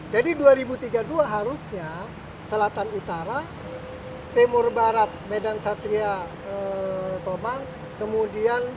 dua ribu tiga puluh dua harusnya selatan utara timur barat medan satria tomang kemudian